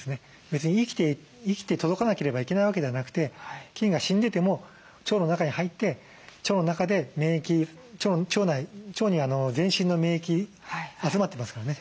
別に生きて届かなければいけないわけではなくて菌が死んでても腸の中に入って腸の中で免疫腸に全身の免疫集まってますからね。